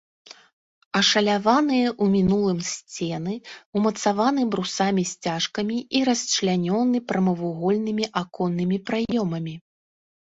Ашаляваныя ў мінулым сцены ўмацаваны брусамі-сцяжкамі і расчлянёны прамавугольнымі аконнымі праёмамі.